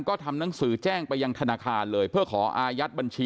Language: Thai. ก็ทำหนังสือแจ้งไปยังธนาคารเลยเพื่อขออายัดบัญชี